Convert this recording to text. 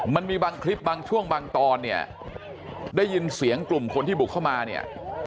มันมีบางคลิปบางช่วงบางตอนเนี่ยได้ยินเสียงกลุ่มคนที่บุกเข้ามาเนี่ย